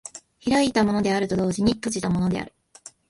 開いたものであると同時に閉じたものである。